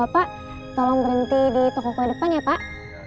bapak tolong berhenti di toko kue depan ya pak